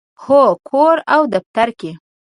هو، کور او دفتر کې